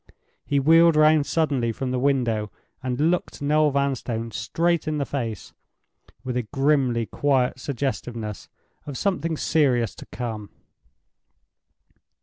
He wheeled round suddenly from the window, and looked Noel Vanstone straight in the face with a grimly quiet suggestiveness of something serious to come.